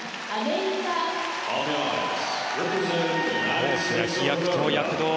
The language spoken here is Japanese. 大きな飛躍と躍動。